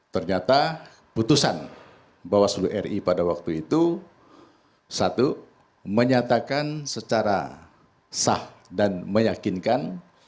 ternyata putusan bawaslu ri pada waktu itu satu menyatakan secara sah dan meyakinkan